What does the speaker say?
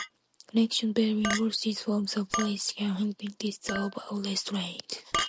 Connections between both these forms of policies can help increase the overall restraint.